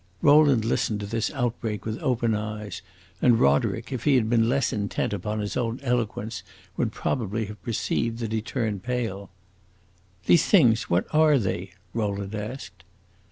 Rowland listened to this outbreak with open eyes, and Roderick, if he had been less intent upon his own eloquence, would probably have perceived that he turned pale. "These things what are they?" Rowland asked.